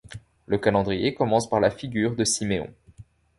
Le calendrier commence par la figure de Syméon.